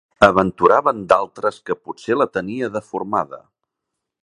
Aventuraven d'altres que potser la tenia deformada.